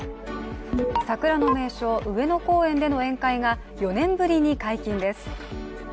桜の名所・上野公園での宴会が４年ぶりに解禁です。